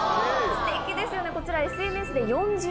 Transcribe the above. すてきですよねこちら。